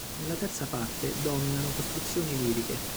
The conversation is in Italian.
Nella terza parte dominano costruzioni liriche.